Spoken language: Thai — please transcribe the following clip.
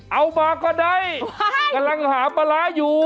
เอามาก็ได้กำลังหาปลาร้าอยู่